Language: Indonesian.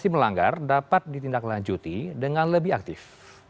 melanggar dapat ditindaklanjuti dengan lebih aktif